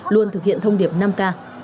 luôn thực hiện thông điệp năm k